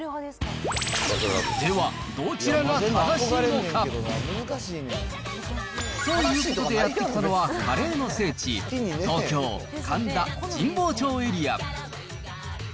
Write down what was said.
では、どちらが正しいのか。ということで、やって来たのはカレーの聖地、東京・神田、神保町エリア。